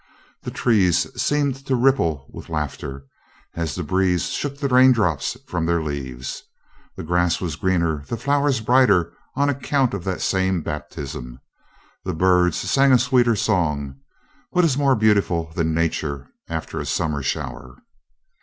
The trees seemed to ripple with laughter, as the breeze shook the raindrops from their leaves. The grass was greener, the flowers brighter on account of that same baptism. The birds sang a sweeter song. What is more beautiful than nature after a summer shower!